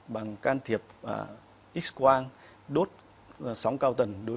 bằng can thiệp x quang đốt sóng cao tầng